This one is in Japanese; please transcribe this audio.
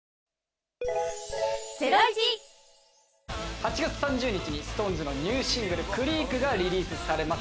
８月３０日にＳｉｘＴＯＮＥＳのニューシングル『ＣＲＥＡＫ』がリリースされます。